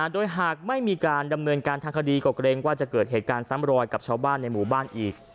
โดยหากไม่มีการดำเนินการทางคดีก็เกรงว่าจะเกิดเหตุการณ์ซ้ำรอยกับชาวบ้านในหมู่บ้านอีก